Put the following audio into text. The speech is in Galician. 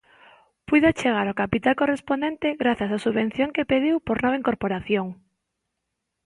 Puido achegar o capital correspondente grazas á subvención que pediu por nova incorporación.